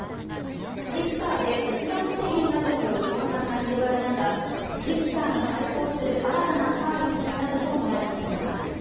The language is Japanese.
ツイッターで閲覧制限などによる混乱が広がる中ツイッターに対抗する新たなサービスになるとみられています。